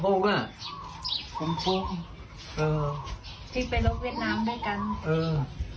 ที่ไปรกเวียดนามด้วยกัน